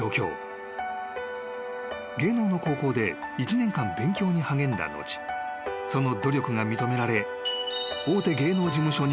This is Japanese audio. ［芸能の高校で１年間勉強に励んだ後その努力が認められ］